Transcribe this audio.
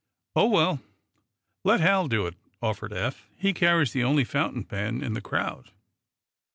"Oh, well, let Hal do it," offered Eph. "He carries the only fountain pen in the crowd."